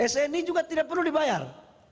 sni juga tidak perlu dibayar